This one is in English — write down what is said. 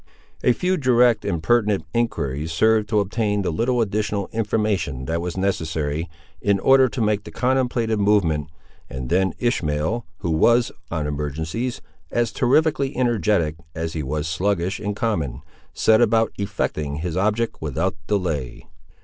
A few direct and pertinent enquiries served to obtain the little additional information that was necessary, in order to make the contemplated movement, and then Ishmael, who was, on emergencies, as terrifically energetic, as he was sluggish in common, set about effecting his object without delay.